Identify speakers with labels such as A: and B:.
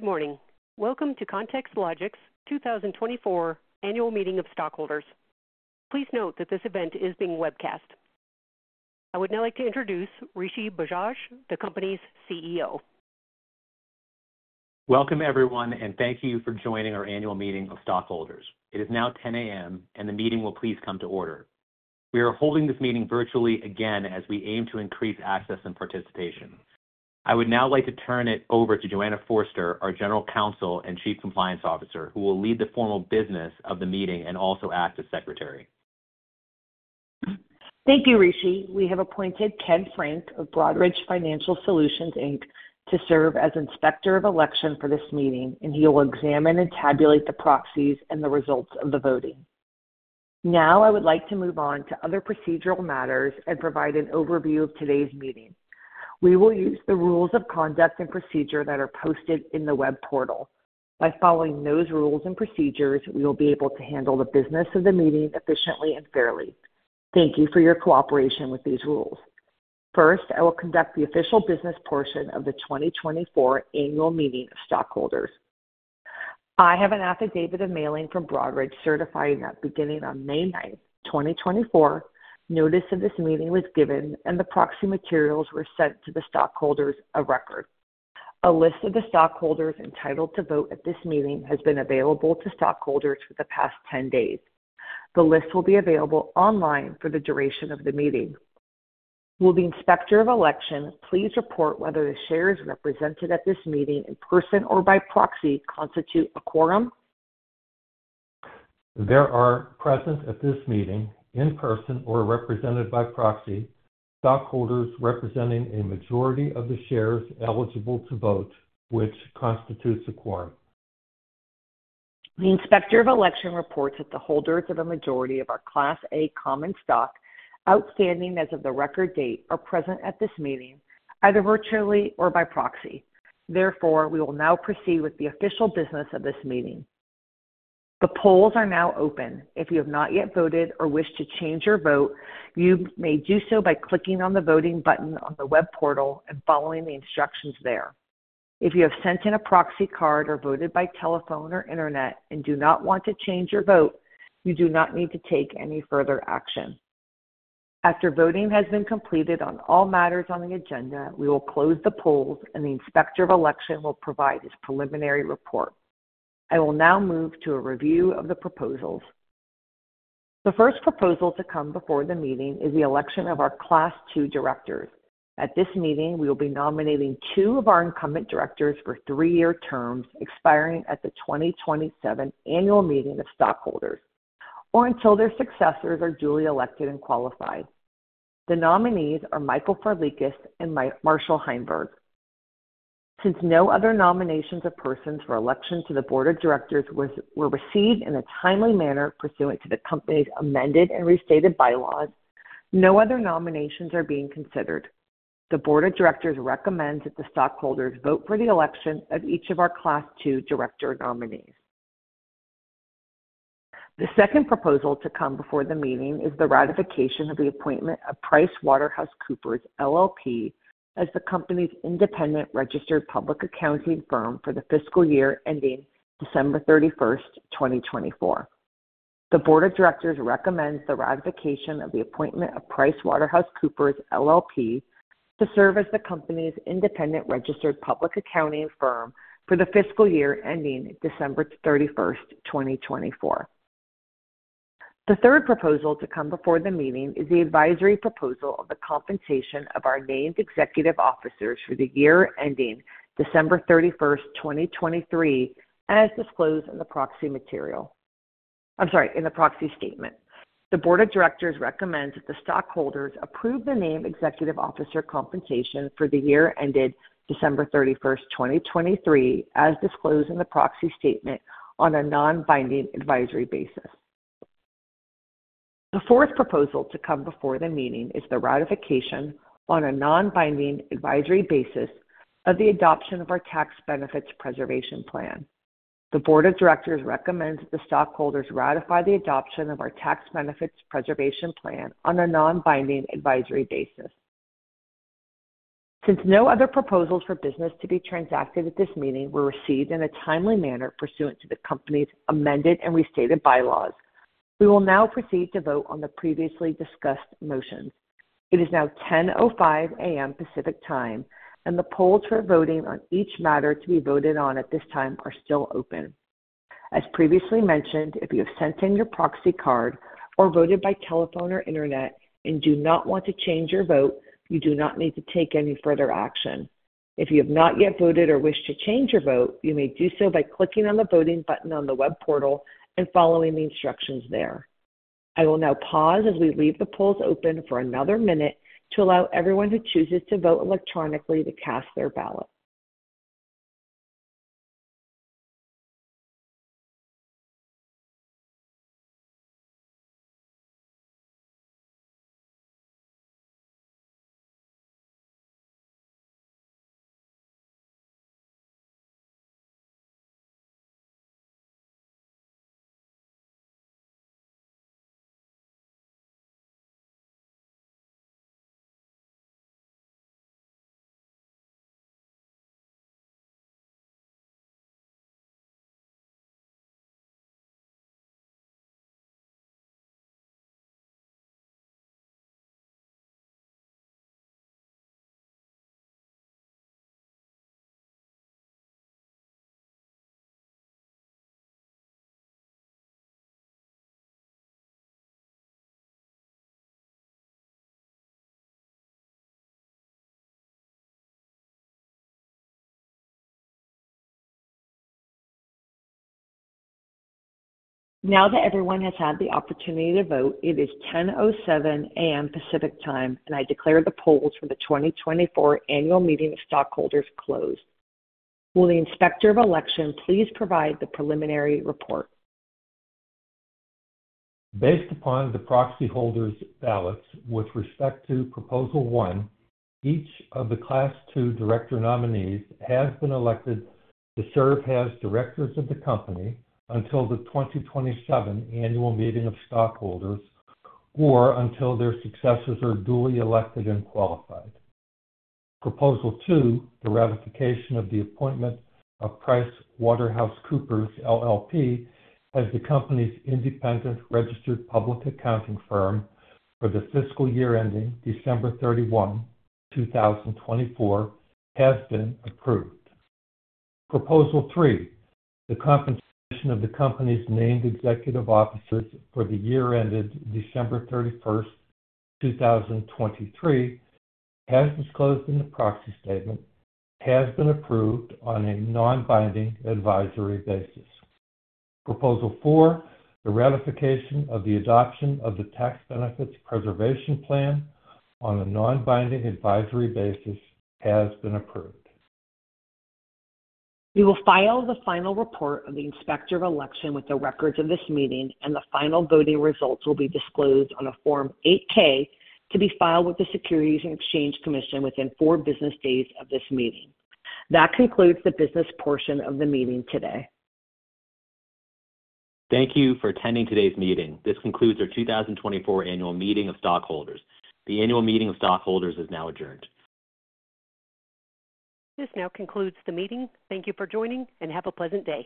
A: Good morning. Welcome to ContextLogic's 2024 Annual Meeting of Stockholders. Please note that this event is being webcast. I would now like to introduce Rishi Bajaj, the company's CEO.
B: Welcome, everyone, and thank you for joining our annual meeting of stockholders. It is now 10:00 A.M., and the meeting will please come to order. We are holding this meeting virtually again as we aim to increase access and participation. I would now like to turn it over to Joanna Forster, our General Counsel and Chief Compliance Officer, who will lead the formal business of the meeting and also act as Secretary.
C: Thank you, Rishi. We have appointed Ted Frank of Broadridge Financial Solutions, Inc. to serve as Inspector of Election for this meeting, and he will examine and tabulate the proxies and the results of the voting. Now, I would like to move on to other procedural matters and provide an overview of today's meeting. We will use the rules of conduct and procedure that are posted in the web portal. By following those rules and procedures, we will be able to handle the business of the meeting efficiently and fairly. Thank you for your cooperation with these rules. First, I will conduct the official business portion of the 2024 Annual Meeting of Stockholders. I have an affidavit of mailing from Broadridge certifying that beginning on May 9, 2024, notice of this meeting was given and the proxy materials were sent to the stockholders of record. A list of the stockholders entitled to vote at this meeting has been available to stockholders for the past 10 days. The list will be available online for the duration of the meeting. Will the Inspector of Election please report whether the shares represented at this meeting, in person or by proxy, constitute a quorum?
D: There are present at this meeting, in person or represented by proxy, stockholders representing a majority of the shares eligible to vote, which constitutes a quorum.
C: The Inspector of Election reports that the holders of a majority of our Class A common stock, outstanding as of the record date, are present at this meeting, either virtually or by proxy. Therefore, we will now proceed with the official business of this meeting. The polls are now open. If you have not yet voted or wish to change your vote, you may do so by clicking on the voting button on the web portal and following the instructions there. If you have sent in a proxy card or voted by telephone or internet and do not want to change your vote, you do not need to take any further action. After voting has been completed on all matters on the agenda, we will close the polls and the Inspector of Election will provide his preliminary report. I will now move to a review of the proposals. The first proposal to come before the meeting is the election of our Class II directors. At this meeting, we will be nominating two of our incumbent directors for three-year terms, expiring at the 2027 Annual Meeting of Stockholders or until their successors are duly elected and qualified. The nominees are Michael Farlekas and Marshall Heinberg. Since no other nominations of persons for election to the board of directors were received in a timely manner pursuant to the company's amended and restated bylaws, no other nominations are being considered. The board of directors recommends that the stockholders vote for the election of each of our Class II director nominees. The second proposal to come before the meeting is the ratification of the appointment of PricewaterhouseCoopers LLP as the company's independent registered public accounting firm for the fiscal year ending December 31, 2024. The board of directors recommends the ratification of the appointment of PricewaterhouseCoopers, LLP, to serve as the company's independent registered public accounting firm for the fiscal year ending December 31, 2024. The third proposal to come before the meeting is the advisory proposal of the compensation of our named executive officers for the year ending December 31, 2023, as disclosed in the proxy material... I'm sorry, in the proxy statement. The board of directors recommends that the stockholders approve the named executive officer compensation for the year ended December 31, 2023, as disclosed in the proxy statement, on a non-binding advisory basis. The fourth proposal to come before the meeting is the ratification on a non-binding advisory basis of the adoption of our Tax Benefits Preservation Plan. The Board of Directors recommends that the stockholders ratify the adoption of our Tax Benefits Preservation Plan on a non-binding advisory basis. Since no other proposals for business to be transacted at this meeting were received in a timely manner pursuant to the company's amended and restated Bylaws, we will now proceed to vote on the previously discussed motions. It is now 10:05 A.M. Pacific Time, and the polls for voting on each matter to be voted on at this time are still open. As previously mentioned, if you have sent in your Proxy card or voted by telephone or internet and do not want to change your vote, you do not need to take any further action. If you have not yet voted or wish to change your vote, you may do so by clicking on the voting button on the web portal and following the instructions there. I will now pause as we leave the polls open for another minute, to allow everyone who chooses to vote electronically to cast their ballot.... Now that everyone has had the opportunity to vote, it is 10:07 A.M. Pacific Time, and I declare the polls for the 2024 Annual Meeting of Stockholders closed. Will the Inspector of Election please provide the preliminary report?
D: Based upon the proxy holders' ballots with respect to Proposal One, each of the Class II director nominees has been elected to serve as directors of the company until the 2027 annual meeting of stockholders, or until their successors are duly elected and qualified. Proposal Two, the ratification of the appointment of PricewaterhouseCoopers LLP as the company's independent registered public accounting firm for the fiscal year ending December 31, 2024, has been approved. Proposal Three, the compensation of the company's named executive officers for the year ended December 31, 2023, as disclosed in the proxy statement, has been approved on a non-binding advisory basis. Proposal Four, the ratification of the adoption of the Tax Benefits Preservation Plan on a non-binding advisory basis has been approved.
C: We will file the final report of the Inspector of Election with the records of this meeting, and the final voting results will be disclosed on a Form 8-K to be filed with the Securities and Exchange Commission within four business days of this meeting. That concludes the business portion of the meeting today.
B: Thank you for attending today's meeting. This concludes our 2024 annual meeting of stockholders. The annual meeting of stockholders is now adjourned.
A: This now concludes the meeting. Thank you for joining, and have a pleasant day.